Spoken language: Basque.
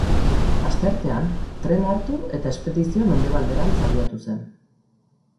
Asteartean, trena hartu eta espedizioa mendebalderantz abiatu zen.